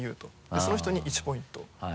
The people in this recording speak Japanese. でその人に１ポイント。